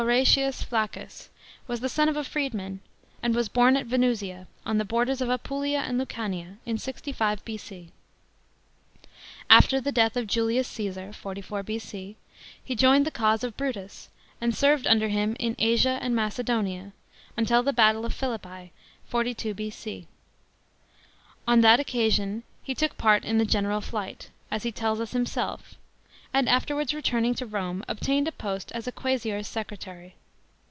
HORATIUS FLACCUS was the son of a frccdman. and was born at Venu>ia, on the borders of Apulia and LucaninyJ* in 65 B.C. After the death of Julius Caesar (44 B.C.) he joined the cause of Brutus and served under him in Asia and Macedonia, until' o Battle of Philippi (42 B.C.). On that occasion ho took pr*,w ."'. i\e general flight, as he tells us himself | and afterwards rctuir'n/; to Rome, obtained a post ns a qusesior's secretary.